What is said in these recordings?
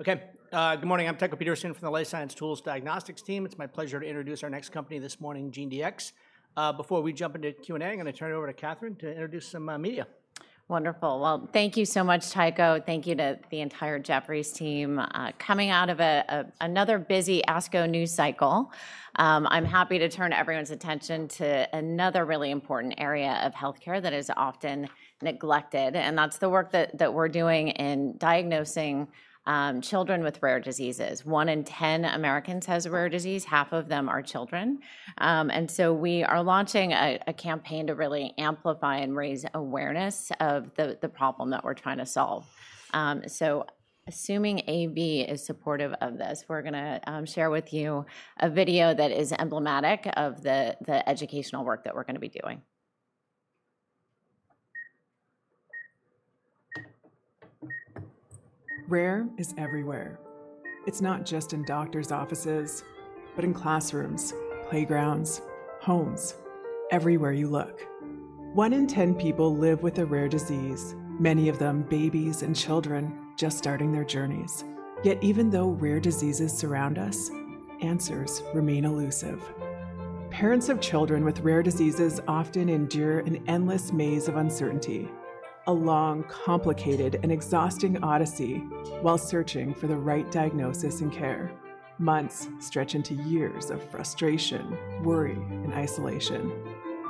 Okay, good morning. I'm Tycho Peterson from the Life Science Tools Diagnostics team. It's my pleasure to introduce our next company this morning, GeneDx. Before we jump into Q&A, I'm going to turn it over to Katherine to introduce some media. Wonderful. Thank you so much, Tycho. Thank you to the entire Jefferies team. Coming out of another busy ASCO news cycle, I'm happy to turn everyone's attention to another really important area of health care that is often neglected, and that's the work that we're doing in diagnosing children with rare diseases. One in ten Americans has a rare disease. Half of them are children. We are launching a campaign to really amplify and raise awareness of the problem that we're trying to solve. Assuming AV is supportive of this, we're going to share with you a video that is emblematic of the educational work that we're going to be doing. Rare is everywhere. It is not just in doctors' offices, but in classrooms, playgrounds, homes, everywhere you look. One in ten people live with a rare disease, many of them babies and children just starting their journeys. Yet even though rare diseases surround us, answers remain elusive. Parents of children with rare diseases often endure an endless maze of uncertainty, a long, complicated, and exhausting odyssey while searching for the right diagnosis and care. Months stretch into years of frustration, worry, and isolation.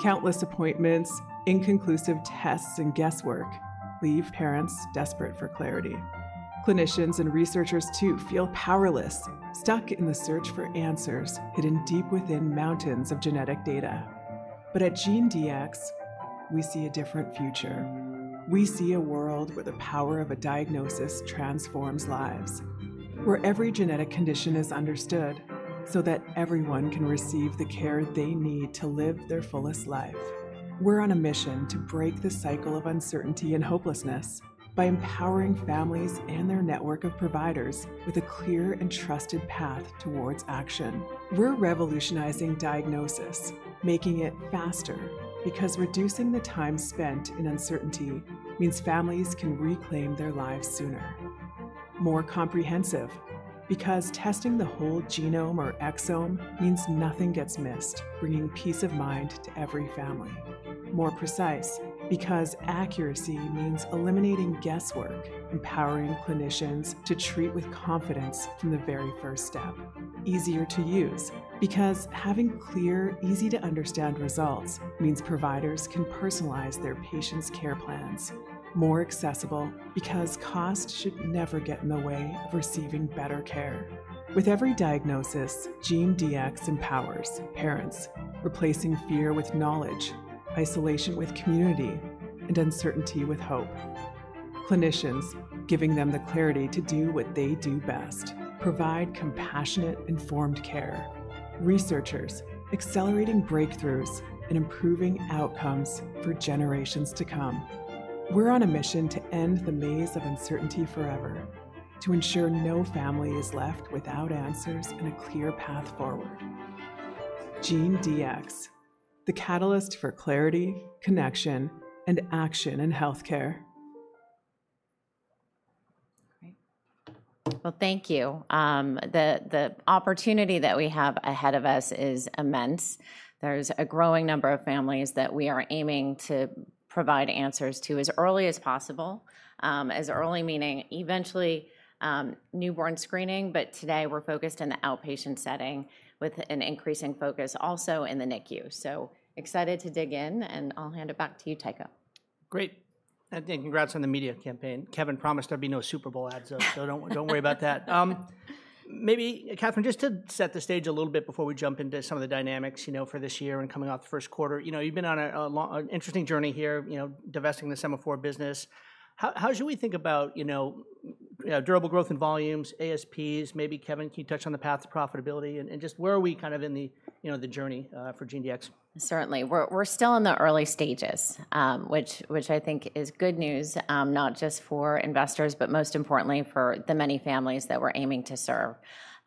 Countless appointments, inconclusive tests, and guesswork leave parents desperate for clarity. Clinicians and researchers, too, feel powerless, stuck in the search for answers hidden deep within mountains of genetic data. At GeneDx, we see a different future. We see a world where the power of a diagnosis transforms lives, where every genetic condition is understood so that everyone can receive the care they need to live their fullest life. We're on a mission to break the cycle of uncertainty and hopelessness by empowering families and their network of providers with a clear and trusted path towards action. We're revolutionizing diagnosis, making it faster because reducing the time spent in uncertainty means families can reclaim their lives sooner. More comprehensive because testing the whole genome or exome means nothing gets missed, bringing peace of mind to every family. More precise because accuracy means eliminating guesswork, empowering clinicians to treat with confidence from the very first step. Easier to use because having clear, easy-to-understand results means providers can personalize their patients' care plans. More accessible because cost should never get in the way of receiving better care. With every diagnosis, GeneDx empowers parents, replacing fear with knowledge, isolation with community, and uncertainty with hope. Clinicians giving them the clarity to do what they do best, provide compassionate, informed care. Researchers accelerating breakthroughs and improving outcomes for generations to come. We're on a mission to end the maze of uncertainty forever, to ensure no family is left without answers and a clear path forward. GeneDx, the catalyst for clarity, connection, and action in health care. Thank you. The opportunity that we have ahead of us is immense. There is a growing number of families that we are aiming to provide answers to as early as possible. As early meaning eventually newborn screening, but today we are focused in the outpatient setting with an increasing focus also in the NICU. Excited to dig in, and I'll hand it back to you, Tycho. Great. Again, congrats on the media campaign. Kevin promised there'd be no Super Bowl ads, so don't worry about that. Maybe, Katherine, just to set the stage a little bit before we jump into some of the dynamics, you know, for this year and coming off the first quarter, you know, you've been on an interesting journey here, you know, divesting the Sema4 business. How should we think about, you know, durable growth in volumes, ASPs? Maybe, Kevin, can you touch on the path to profitability and just where are we kind of in the, you know, the journey for GeneDx? Certainly. We're still in the early stages, which I think is good news, not just for investors, but most importantly for the many families that we're aiming to serve.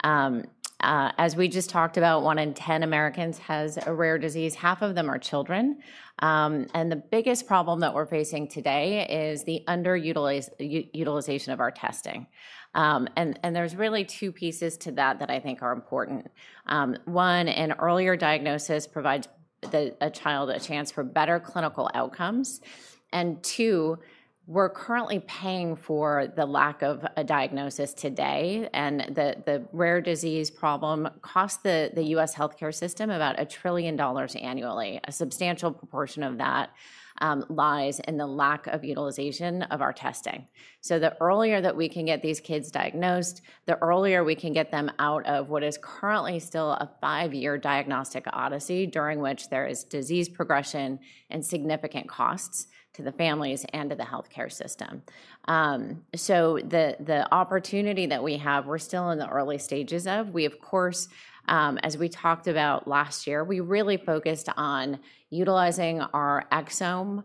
As we just talked about, one in ten Americans has a rare disease. Half of them are children. The biggest problem that we're facing today is the underutilization of our testing. There's really two pieces to that that I think are important. One, an earlier diagnosis provides a child a chance for better clinical outcomes. Two, we're currently paying for the lack of a diagnosis today. The rare disease problem costs the U.S. health care system about $1 trillion annually. A substantial proportion of that lies in the lack of utilization of our testing. The earlier that we can get these kids diagnosed, the earlier we can get them out of what is currently still a five-year diagnostic odyssey during which there is disease progression and significant costs to the families and to the health care system. The opportunity that we have, we're still in the early stages of. We, of course, as we talked about last year, really focused on utilizing our exome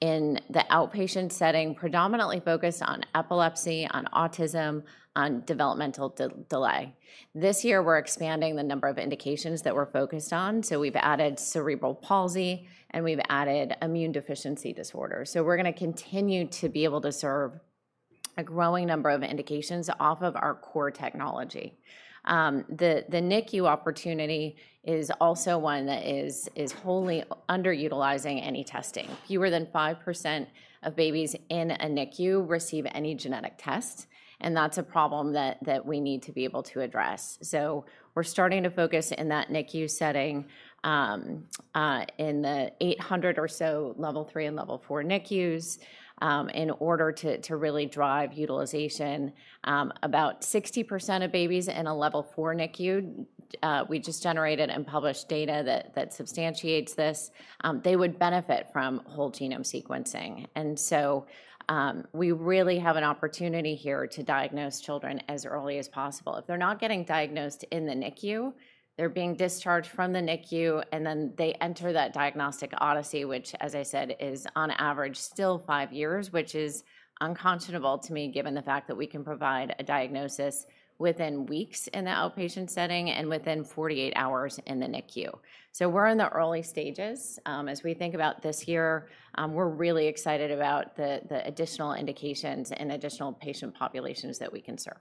in the outpatient setting, predominantly focused on epilepsy, on autism, on developmental delay. This year, we're expanding the number of indications that we're focused on. We've added cerebral palsy, and we've added immune deficiency disorders. We're going to continue to be able to serve a growing number of indications off of our core technology. The NICU opportunity is also one that is wholly underutilizing any testing. Fewer than 5% of babies in a NICU receive any genetic test. That's a problem that we need to be able to address. We're starting to focus in that NICU setting in the 800 or so level three and level four NICUs in order to really drive utilization. About 60% of babies in a level four NICU, we just generated and published data that substantiates this, would benefit from whole genome sequencing. We really have an opportunity here to diagnose children as early as possible. If they're not getting diagnosed in the NICU, they're being discharged from the NICU, and then they enter that diagnostic odyssey, which, as I said, is on average still five years, which is unconscionable to me given the fact that we can provide a diagnosis within weeks in the outpatient setting and within 48 hours in the NICU. We're in the early stages. As we think about this year, we're really excited about the additional indications and additional patient populations that we can serve.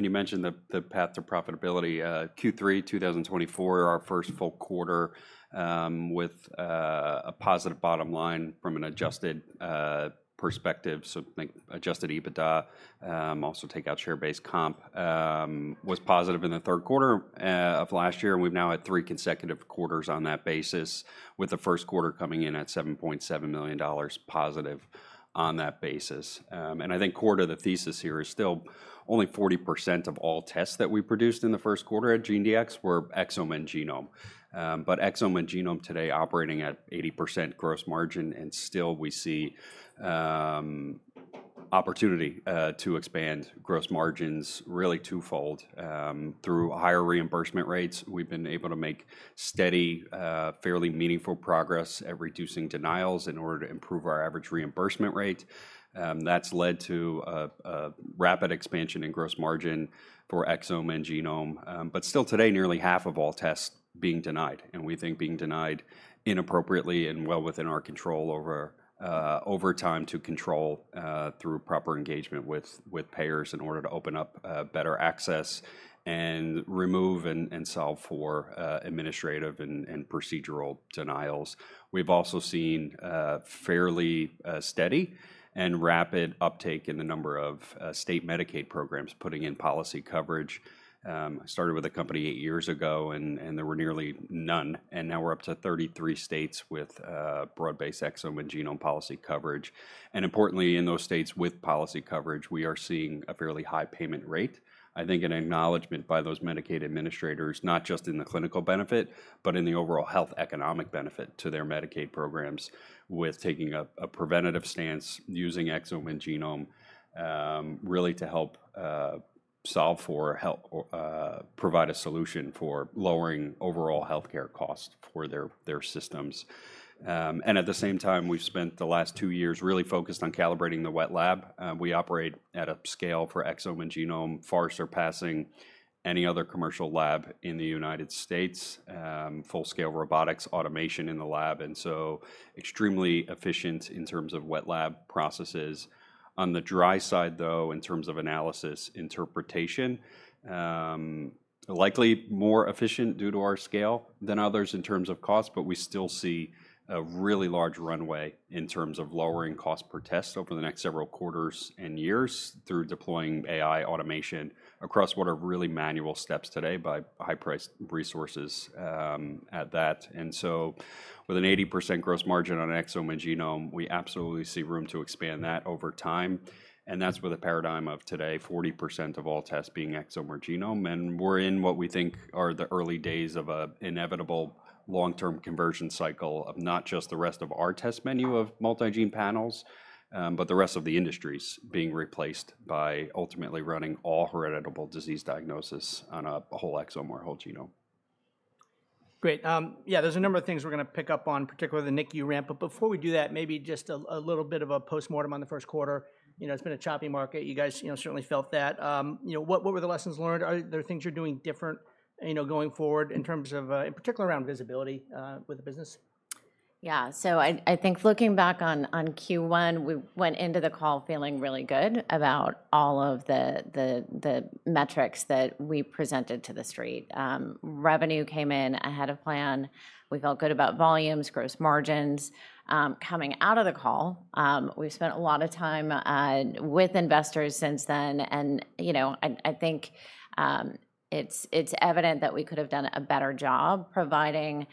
You mentioned the path to profitability. Q3 2024, our first full quarter with a positive bottom line from an adjusted perspective. Adjusted EBITDA, also take out share-based comp, was positive in the third quarter of last year. We have now had three consecutive quarters on that basis, with the first quarter coming in at $7.7 million positive on that basis. I think core to the thesis here is still only 40% of all tests that we produced in the first quarter at GeneDx were exome and genome. Exome and genome today are operating at 80% gross margin. We see opportunity to expand gross margins, really twofold, through higher reimbursement rates. We have been able to make steady, fairly meaningful progress at reducing denials in order to improve our average reimbursement rate. That has led to a rapid expansion in gross margin for exome and genome. Still today, nearly half of all tests are being denied. We think being denied inappropriately and well within our control over time to control through proper engagement with payers in order to open up better access and remove and solve for administrative and procedural denials. We've also seen fairly steady and rapid uptake in the number of state Medicaid programs putting in policy coverage. I started with the company eight years ago, and there were nearly none. Now we're up to 33 states with broad-based exome and genome policy coverage. Importantly, in those states with policy coverage, we are seeing a fairly high payment rate. I think an acknowledgment by those Medicaid administrators, not just in the clinical benefit, but in the overall health economic benefit to their Medicaid programs, with taking a preventative stance, using exome and genome really to help solve for, help provide a solution for lowering overall health care costs for their systems. At the same time, we've spent the last two years really focused on calibrating the wet lab. We operate at a scale for exome and genome far surpassing any other commercial lab in the United States, full-scale robotics, automation in the lab, and so extremely efficient in terms of wet lab processes. On the dry side, though, in terms of analysis interpretation, likely more efficient due to our scale than others in terms of cost, but we still see a really large runway in terms of lowering cost per test over the next several quarters and years through deploying AI automation across what are really manual steps today by high-priced resources at that. With an 80% gross margin on exome and genome, we absolutely see room to expand that over time. That is with a paradigm of today, 40% of all tests being exome or genome. We are in what we think are the early days of an inevitable long-term conversion cycle of not just the rest of our test menu of multi-gene panels, but the rest of the industry's being replaced by ultimately running all hereditable disease diagnosis on a whole exome or a whole genome. Great. Yeah, there's a number of things we're going to pick up on, particularly the NICU ramp. Before we do that, maybe just a little bit of a postmortem on the first quarter. You know, it's been a choppy market. You guys certainly felt that. You know, what were the lessons learned? Are there things you're doing different, you know, going forward in terms of, in particular, around visibility with the business? Yeah. I think looking back on Q1, we went into the call feeling really good about all of the metrics that we presented to the street. Revenue came in ahead of plan. We felt good about volumes, gross margins. Coming out of the call, we've spent a lot of time with investors since then. You know, I think it's evident that we could have done a better job providing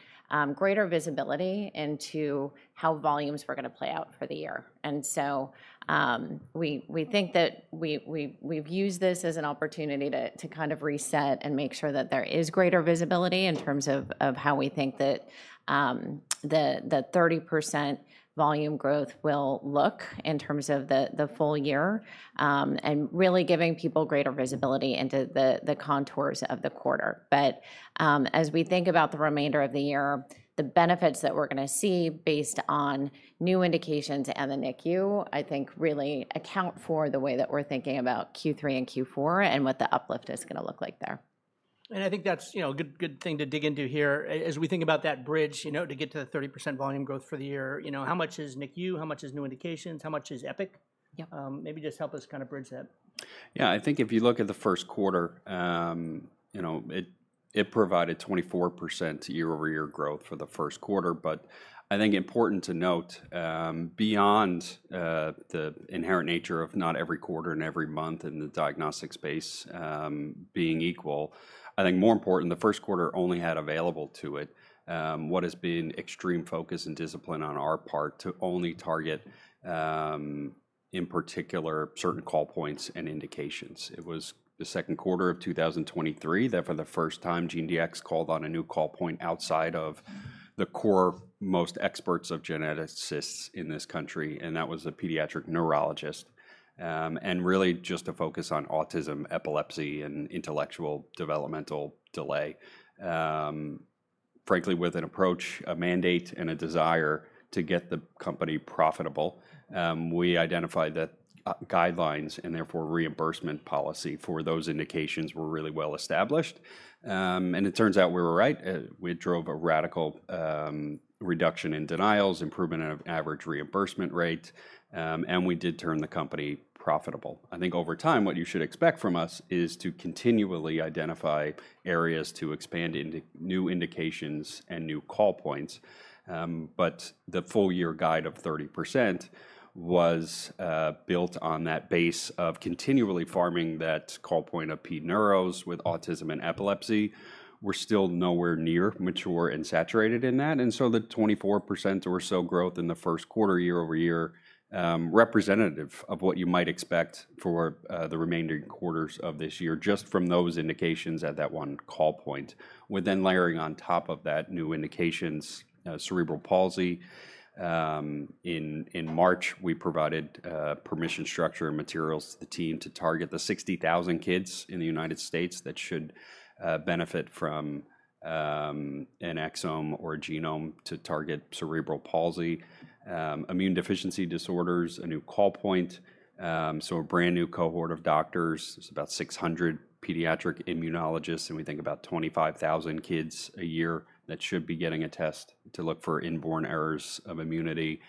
greater visibility into how volumes were going to play out for the year. We think that we've used this as an opportunity to kind of reset and make sure that there is greater visibility in terms of how we think that the 30% volume growth will look in terms of the full year and really giving people greater visibility into the contours of the quarter. As we think about the remainder of the year, the benefits that we're going to see based on new indications and the NICU, I think really account for the way that we're thinking about Q3 and Q4 and what the uplift is going to look like there. I think that's, you know, a good thing to dig into here as we think about that bridge, you know, to get to the 30% volume growth for the year. You know, how much is NICU? How much is new indications? How much is Epic? Maybe just help us kind of bridge that. Yeah, I think if you look at the first quarter, you know, it provided 24% year-over-year growth for the first quarter. I think important to note, beyond the inherent nature of not every quarter and every month in the diagnostic space being equal, I think more important, the first quarter only had available to it what has been extreme focus and discipline on our part to only target, in particular, certain call points and indications. It was the second quarter of 2023 that for the first time, GeneDx called on a new call point outside of the core most experts of geneticists in this country. That was a pediatric neurologist. Really just a focus on autism, epilepsy, and intellectual developmental delay. Frankly, with an approach, a mandate, and a desire to get the company profitable, we identified that guidelines and therefore reimbursement policy for those indications were really well established. It turns out we were right. We drove a radical reduction in denials, improvement of average reimbursement rate, and we did turn the company profitable. I think over time, what you should expect from us is to continually identify areas to expand into new indications and new call points. The full-year guide of 30% was built on that base of continually farming that call point of pediatric neurologists with autism and epilepsy. We're still nowhere near mature and saturated in that. The 24% or so growth in the first quarter, year-over-year, is representative of what you might expect for the remaining quarters of this year just from those indications at that one call point. We're then layering on top of that new indications, cerebral palsy. In March, we provided permission structure and materials to the team to target the 60,000 kids in the United States that should benefit from an exome or genome to target cerebral palsy, immune deficiency disorders, a new call point. A brand new cohort of doctors, it's about 600 pediatric immunologists. We think about 25,000 kids a year should be getting a test to look for inborn errors of immunity.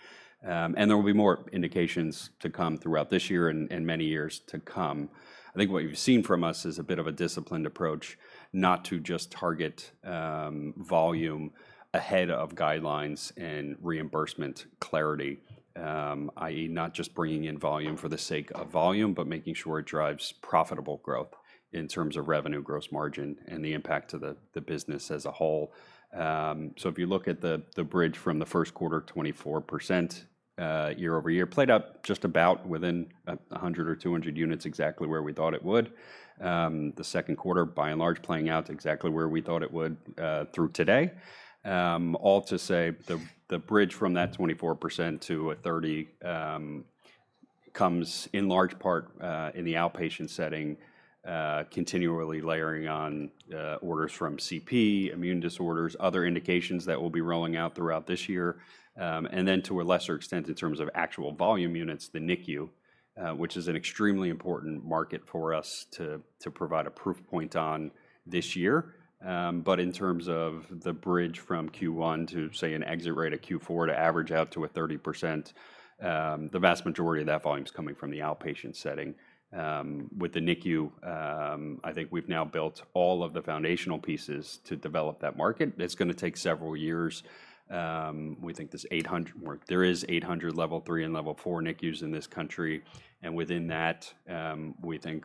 There will be more indications to come throughout this year and many years to come. I think what you've seen from us is a bit of a disciplined approach not to just target volume ahead of guidelines and reimbursement clarity, i.e., not just bringing in volume for the sake of volume, but making sure it drives profitable growth in terms of revenue, gross margin, and the impact to the business as a whole. If you look at the bridge from the first quarter, 24% year-over-year played out just about within 100-200 units exactly where we thought it would. The second quarter, by and large, playing out exactly where we thought it would through today. All to say, the bridge from that 24% to a 30% comes in large part in the outpatient setting, continually layering on orders from CP, immune disorders, other indications that will be rolling out throughout this year. To a lesser extent in terms of actual volume units, the NICU, which is an extremely important market for us to provide a proof point on this year. In terms of the bridge from Q1 to, say, an exit rate of Q4 to average out to a 30%, the vast majority of that volume is coming from the outpatient setting. With the NICU, I think we've now built all of the foundational pieces to develop that market. It's going to take several years. We think there's 800 level three and level four NICUs in this country. Within that, we think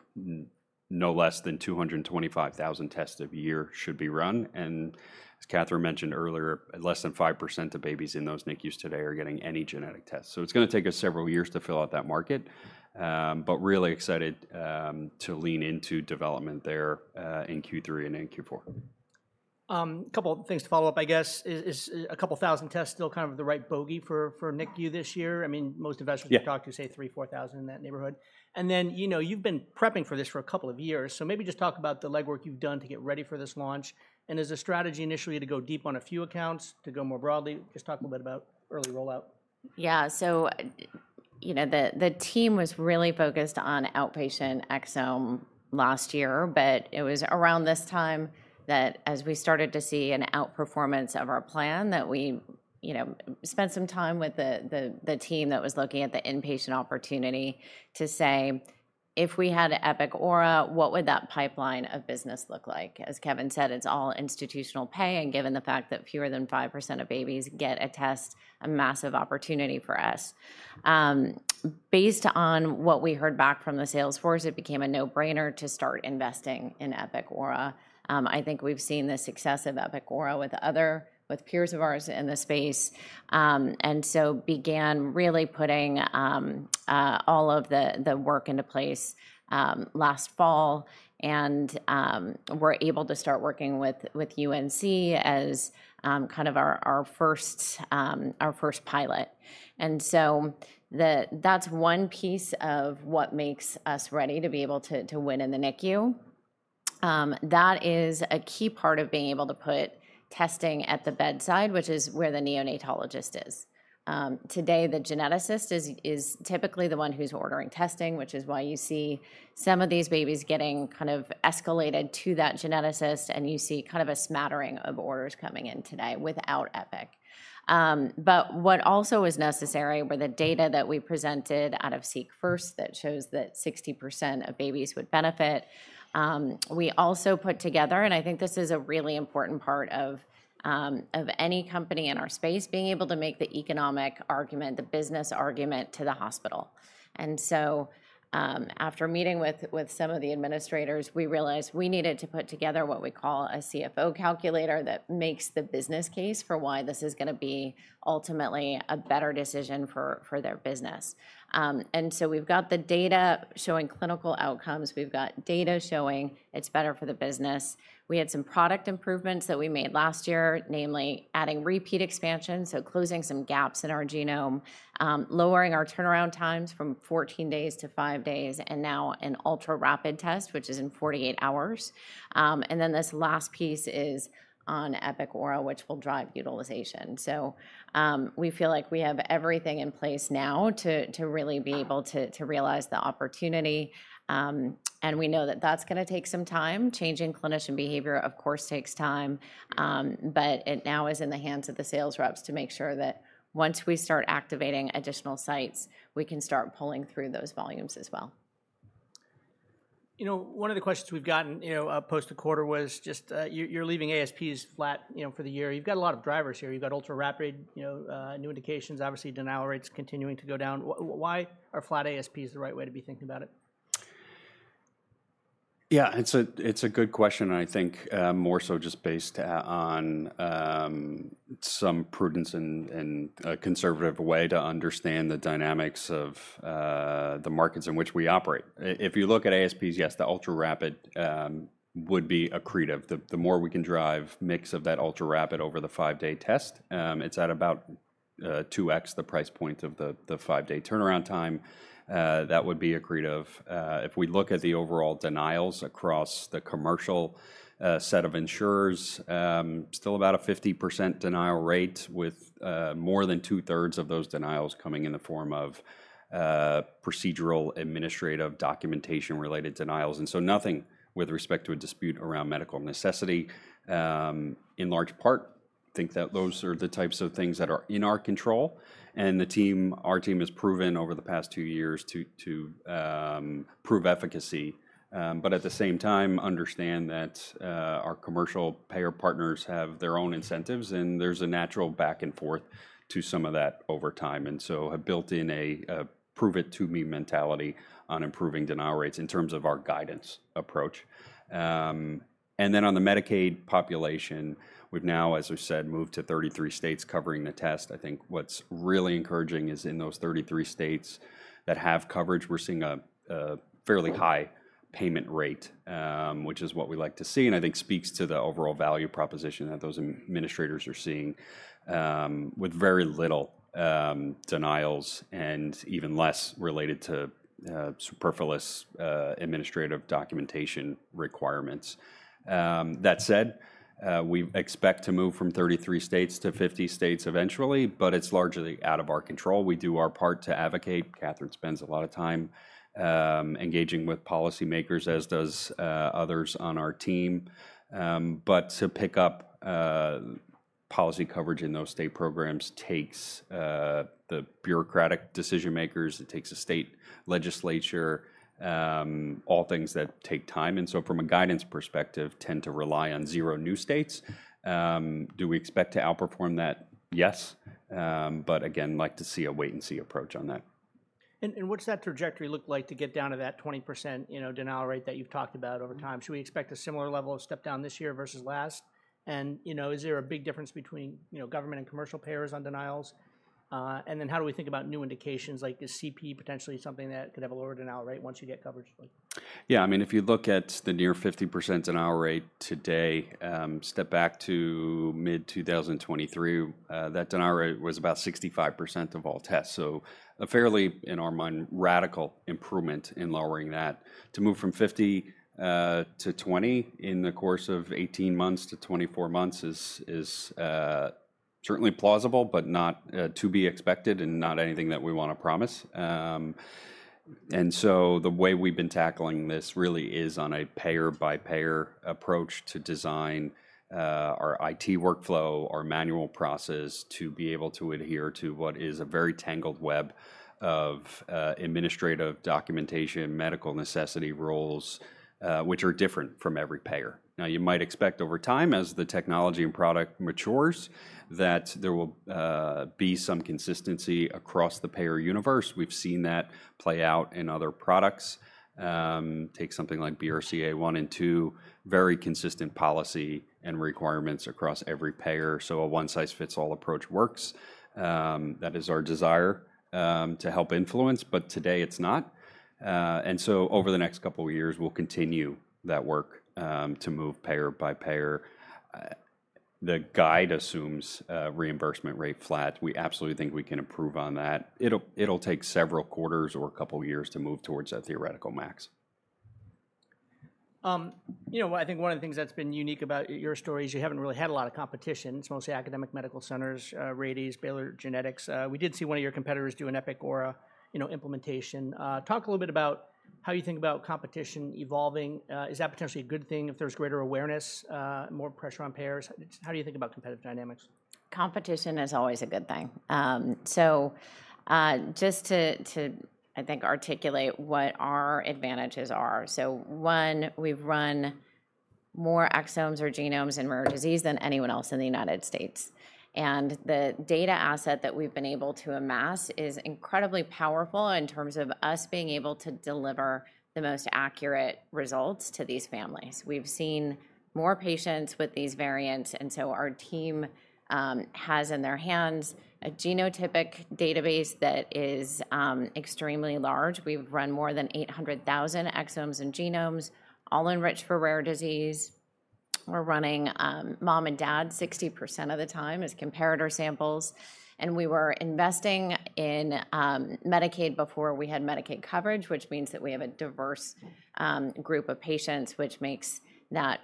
no less than 225,000 tests a year should be run. As Katherine mentioned earlier, less than 5% of babies in those NICUs today are getting any genetic test. It's going to take us several years to fill out that market. Really excited to lean into development there in Q3 and in Q4. A couple of things to follow up, I guess. Is a couple thousand tests still kind of the right bogey for NICU this year? I mean, most investors we've talked to say 3,000-4,000 in that neighborhood. You know, you've been prepping for this for a couple of years. Maybe just talk about the legwork you've done to get ready for this launch. Is the strategy initially to go deep on a few accounts or to go more broadly? Just talk a little bit about early rollout. Yeah. So, you know, the team was really focused on outpatient exome last year, but it was around this time that as we started to see an outperformance of our plan that we, you know, spent some time with the team that was looking at the inpatient opportunity to say, if we had an Epic integration with Aura, what would that pipeline of business look like? As Kevin said, it's all institutional pay. And given the fact that fewer than 5% of babies get a test, a massive opportunity for us. Based on what we heard back from the salesforce, it became a no-brainer to start investing in Epic integration with Aura. I think we've seen the success of Epic integration with Aura with peers of ours in the space. We began really putting all of the work into place last fall and were able to start working with UNC as kind of our first pilot. That is one piece of what makes us ready to be able to win in the NICU. That is a key part of being able to put testing at the bedside, which is where the neonatologist is. Today, the geneticist is typically the one who's ordering testing, which is why you see some of these babies getting kind of escalated to that geneticist. You see kind of a smattering of orders coming in today without Epic. What also was necessary were the data that we presented out of Uncertain that shows that 60% of babies would benefit. We also put together, and I think this is a really important part of any company in our space, being able to make the economic argument, the business argument to the hospital. After meeting with some of the administrators, we realized we needed to put together what we call a CFO calculator that makes the business case for why this is going to be ultimately a better decision for their business. We have the data showing clinical outcomes. We have data showing it is better for the business. We had some product improvements that we made last year, namely adding repeat expansion, so closing some gaps in our genome, lowering our turnaround times from 14 days to 5 days, and now an ultra-rapid test, which is in 48 hours. This last piece is on Epic integration with Aura, which will drive utilization. We feel like we have everything in place now to really be able to realize the opportunity. We know that that's going to take some time. Changing clinician behavior, of course, takes time. It now is in the hands of the sales reps to make sure that once we start activating additional sites, we can start pulling through those volumes as well. You know, one of the questions we've gotten, you know, post the quarter was just you're leaving ASPs flat, you know, for the year. You've got a lot of drivers here. You've got ultra-rapid, you know, new indications. Obviously, denial rates continuing to go down. Why are flat ASPs the right way to be thinking about it? Yeah, it's a good question. I think more so just based on some prudence and a conservative way to understand the dynamics of the markets in which we operate. If you look at ASPs, yes, the ultra-rapid would be accretive. The more we can drive mix of that ultra-rapid over the five-day test, it's at about 2x the price point of the five-day turnaround time. That would be accretive. If we look at the overall denials across the commercial set of insurers, still about a 50% denial rate with more than two-thirds of those denials coming in the form of procedural administrative documentation-related denials. Nothing with respect to a dispute around medical necessity. In large part, I think that those are the types of things that are in our control. The team, our team has proven over the past two years to prove efficacy. At the same time, understand that our commercial payer partners have their own incentives. There's a natural back and forth to some of that over time. We have built in a prove-it-to-me mentality on improving denial rates in terms of our guidance approach. On the Medicaid population, we've now, as we said, moved to 33 states covering the test. I think what's really encouraging is in those 33 states that have coverage, we're seeing a fairly high payment rate, which is what we like to see. I think it speaks to the overall value proposition that those administrators are seeing with very little denials and even less related to superfluous administrative documentation requirements. That said, we expect to move from 33 states to 50 states eventually, but it's largely out of our control. We do our part to advocate. Katherine spends a lot of time engaging with policymakers, as does others on our team. To pick up policy coverage in those state programs takes the bureaucratic decision-makers. It takes a state legislature, all things that take time. From a guidance perspective, tend to rely on zero new states. Do we expect to outperform that? Yes. Like to see a wait-and-see approach on that. What's that trajectory look like to get down to that 20% denial rate that you've talked about over time? Should we expect a similar level of step-down this year versus last? Is there a big difference between government and commercial payers on denials? How do we think about new indications? Like, is CP potentially something that could have a lower denial rate once you get coverage? Yeah, I mean, if you look at the near 50% denial rate today, step back to mid-2023, that denial rate was about 65% of all tests. So a fairly, in our mind, radical improvement in lowering that. To move from 50 to 20 in the course of 18-24 months is certainly plausible, but not to be expected and not anything that we want to promise. And so the way we've been tackling this really is on a payer-by-payer approach to design our IT workflow, our manual process to be able to adhere to what is a very tangled web of administrative documentation, medical necessity rules, which are different from every payer. Now, you might expect over time, as the technology and product matures, that there will be some consistency across the payer universe. We've seen that play out in other products. Take something like BRCA1 and 2, very consistent policy and requirements across every payer. A one-size-fits-all approach works. That is our desire to help influence. Today, it's not. Over the next couple of years, we'll continue that work to move payer-by-payer. The guide assumes reimbursement rate flat. We absolutely think we can improve on that. It'll take several quarters or a couple of years to move towards that theoretical max. You know, I think one of the things that's been unique about your story is you haven't really had a lot of competition, mostly academic medical centers, Rady's, Baylor Genetics. We did see one of your competitors do an Epic integration with Aura, you know, implementation. Talk a little bit about how you think about competition evolving. Is that potentially a good thing if there's greater awareness, more pressure on payers? How do you think about competitive dynamics? Competition is always a good thing. Just to, I think, articulate what our advantages are. One, we've run more exomes or genomes in rare disease than anyone else in the United States. The data asset that we've been able to amass is incredibly powerful in terms of us being able to deliver the most accurate results to these families. We've seen more patients with these variants. Our team has in their hands a genotypic database that is extremely large. We've run more than 800,000 exomes and genomes, all enriched for rare disease. We're running mom and dad 60% of the time as comparator samples. We were investing in Medicaid before we had Medicaid coverage, which means that we have a diverse group of patients, which makes that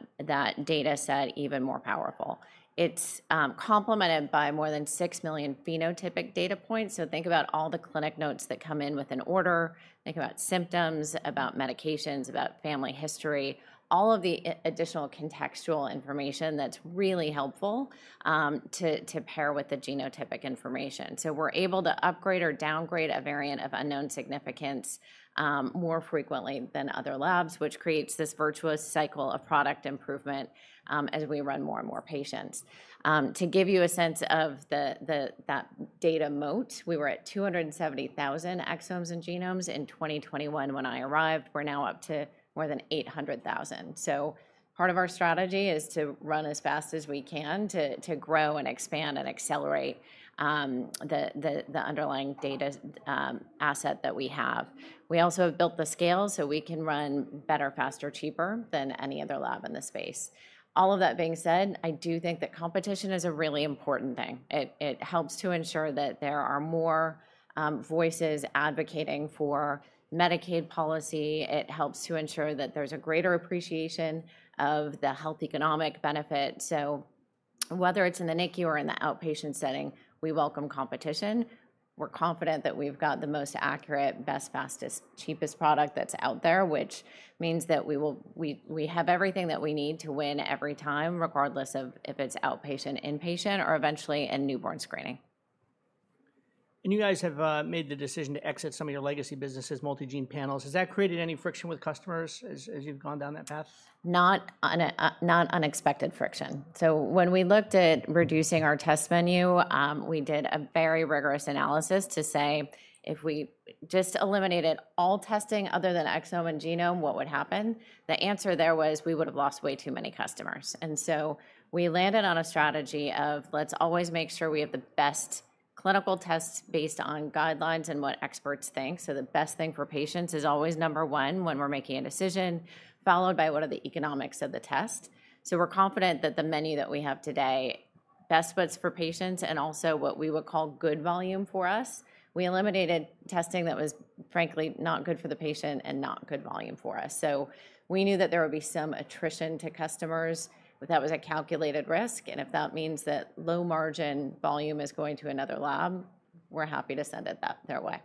data set even more powerful. It's complemented by more than 6 million phenotypic data points. Think about all the clinic notes that come in with an order. Think about symptoms, about medications, about family history, all of the additional contextual information that's really helpful to pair with the genotypic information. We're able to upgrade or downgrade a variant of unknown significance more frequently than other labs, which creates this virtuous cycle of product improvement as we run more and more patients. To give you a sense of that data moat, we were at 270,000 exomes and genomes in 2021 when I arrived. We're now up to more than 800,000. Part of our strategy is to run as fast as we can to grow and expand and accelerate the underlying data asset that we have. We also have built the scale so we can run better, faster, cheaper than any other lab in the space. All of that being said, I do think that competition is a really important thing. It helps to ensure that there are more voices advocating for Medicaid policy. It helps to ensure that there's a greater appreciation of the health economic benefit. Whether it's in the NICU or in the outpatient setting, we welcome competition. We're confident that we've got the most accurate, best, fastest, cheapest product that's out there, which means that we have everything that we need to win every time, regardless of if it's outpatient, inpatient, or eventually in newborn screening. You guys have made the decision to exit some of your legacy businesses, multi-gene panels. Has that created any friction with customers as you've gone down that path? Not unexpected friction. When we looked at reducing our test menu, we did a very rigorous analysis to say, if we just eliminated all testing other than exome and genome, what would happen? The answer there was we would have lost way too many customers. We landed on a strategy of let's always make sure we have the best clinical tests based on guidelines and what experts think. The best thing for patients is always number one when we're making a decision, followed by what are the economics of the test. We're confident that the menu that we have today best fits for patients and also what we would call good volume for us. We eliminated testing that was, frankly, not good for the patient and not good volume for us. We knew that there would be some attrition to customers. That was a calculated risk. If that means that low margin volume is going to another lab, we're happy to send it their way.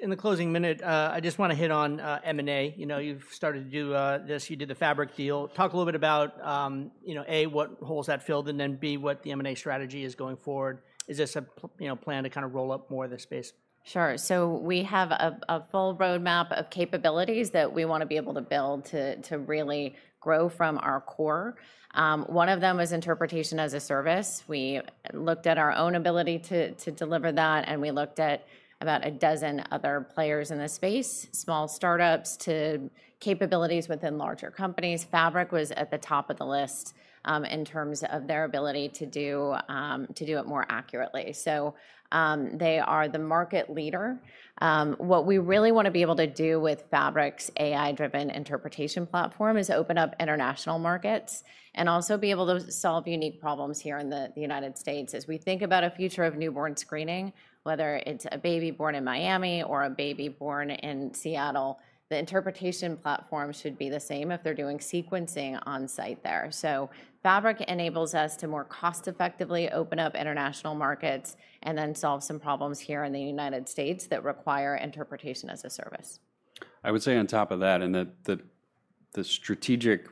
In the closing minute, I just want to hit on M&A. You know, you've started to do this. You did the Fabric deal. Talk a little bit about, you know, A, what holes that filled, and then B, what the M&A strategy is going forward. Is this a plan to kind of roll up more of this space? Sure. We have a full roadmap of capabilities that we want to be able to build to really grow from our core. One of them is interpretation as a service. We looked at our own ability to deliver that, and we looked at about a dozen other players in the space, small startups to capabilities within larger companies. Fabric was at the top of the list in terms of their ability to do it more accurately. They are the market leader. What we really want to be able to do with Fabric's AI-driven interpretation platform is open up international markets and also be able to solve unique problems here in the United States. As we think about a future of newborn screening, whether it's a baby born in Miami or a baby born in Seattle, the interpretation platform should be the same if they're doing sequencing on site there. Fabric enables us to more cost-effectively open up international markets and then solve some problems here in the United States that require interpretation as a service. I would say on top of that, and the strategic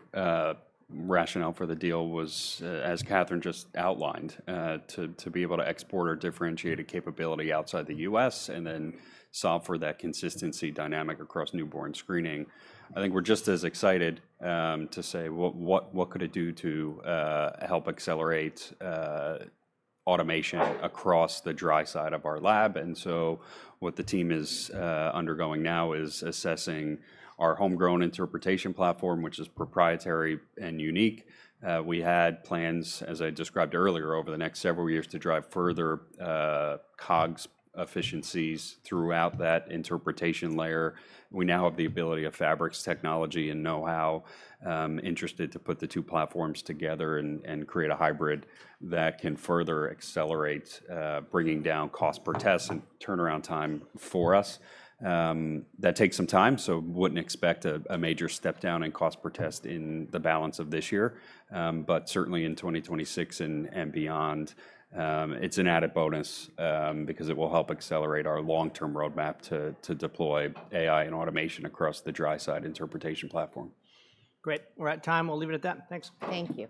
rationale for the deal was, as Katherine just outlined, to be able to export our differentiated capability outside the U.S. and then solve for that consistency dynamic across newborn screening. I think we're just as excited to say, what could it do to help accelerate automation across the dry side of our lab? What the team is undergoing now is assessing our homegrown interpretation platform, which is proprietary and unique. We had plans, as I described earlier, over the next several years to drive further COGS efficiencies throughout that interpretation layer. We now have the ability of Fabric's technology and know-how interested to put the two platforms together and create a hybrid that can further accelerate bringing down cost per test and turnaround time for us. That takes some time, so wouldn't expect a major step-down in cost per test in the balance of this year. Certainly in 2026 and beyond, it's an added bonus because it will help accelerate our long-term roadmap to deploy AI and automation across the dry side interpretation platform. Great. We're at time. We'll leave it at that. Thanks. Thank you.